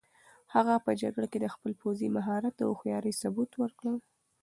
هغه په جګړه کې د خپل پوځي مهارت او هوښیارۍ ثبوت ورکړ.